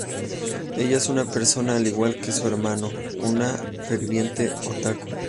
Ella es una persona al igual que su hermano, una ferviente Otaku.